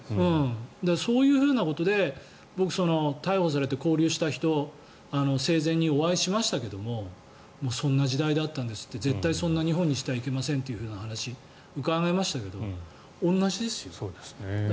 そういうふうなことで僕、逮捕されて勾留された人に生前にお会いしましたけどそんな時代だったんですって絶対そんな日本にしてはいけませんって伺いましたけど同じですよ。